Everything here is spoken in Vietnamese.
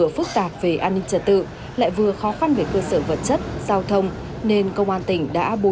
phức tạp về an ninh trật tự lại vừa khó khăn về cơ sở vật chất giao thông nên công an tỉnh đã bố